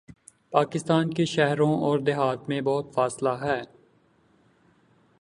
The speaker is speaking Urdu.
پاکستان کے شہروں اوردیہات میں بہت فاصلہ ہے۔